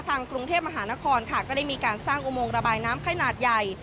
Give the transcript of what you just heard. กรุงเทพมหานครค่ะก็ได้มีการสร้างอุโมงระบายน้ำขนาดใหญ่